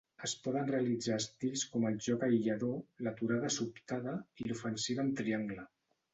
Es poden realitzar estils com el joc aïllador, l'aturada sobtada, i l'ofensiva en triangle.